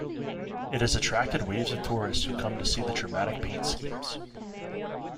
It has attracted waves of tourists who come to see the dramatic paint schemes.